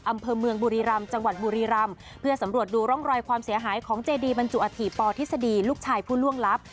อำเภอเมืองบุรีรำจังหวัดบุรีรำเพื่อสำรวจดูร่องรอยความเสียหายของเจดีบรรจุอธิปทฤษฎีลูกชายผู้ล่วงลับ